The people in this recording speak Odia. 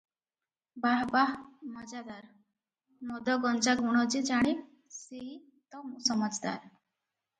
‘ବାହାବା ମଜାଦାର! ମଦ ଗଞ୍ଜା ଗୁଣ ଯେ ଜାଣେ ସେଇ ତ ସମଜଦାର ।